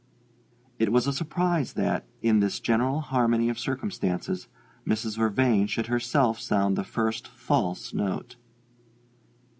It was a surprise that, in this general harmony of circumstances, Mrs. Vervain should herself sound the first false note.